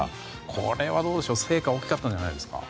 これはどうでしょう、成果は大きかったんじゃないですか？